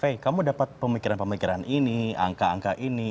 fay kamu dapat pemikiran pemikiran ini angka angka ini